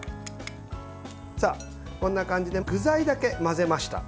さあ、こんな感じで具材だけ混ぜました。